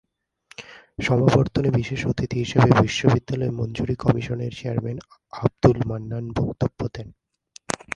সমাবর্তনে বিশেষ অতিথি হিসেবে বিশ্ববিদ্যালয় মঞ্জুরি কমিশনের চেয়ারম্যান আবদুল মান্নান বক্তব্য দেন।